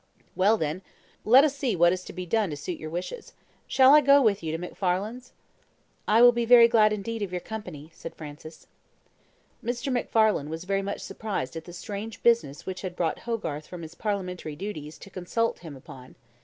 "Well, then, let us see what is to be done to suit your wishes. Shall I go with you to MacFarlane's?" "I will be very glad indeed of your company," said Francis. Mr. MacFarlane was very much surprised at the strange business which had brought Hogarth from his parliamentary duties to consult him upon.